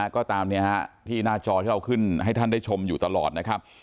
ก็ตามที่หน้าจอที่เราขึ้นให้ท่านได้ชมอยู่ตลอดนะครับ